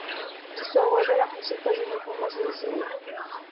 Su abuelo era un músico muy famoso de Sicilia.